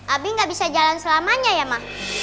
abi gak bisa jalan selamanya ya ma